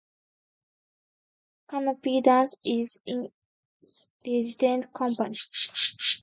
Kanopy Dance is its resident company.